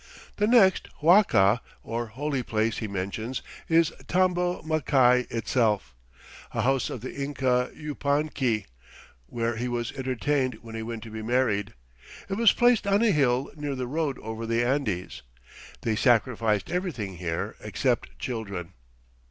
The next huaca, or holy place, he mentions is Tambo Machai itself, "a house of the Inca Yupanqui, where he was entertained when he went to be married. It was placed on a hill near the road over the Andes. They sacrifice everything here except children."